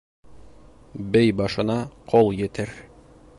Бей башына ҡол етер.